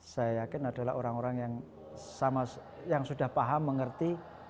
saya yakin adalah orang orang yang sudah paham mengerti